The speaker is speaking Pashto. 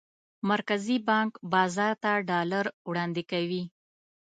مرکزي بانک بازار ته ډالر وړاندې کوي.